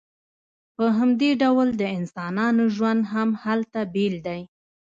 په همدې ډول د انسانانو ژوند هم هلته بیل دی